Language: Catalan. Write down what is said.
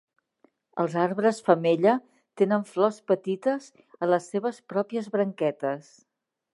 Els arbres femella tenen flors petites a les seves pròpies branquetes.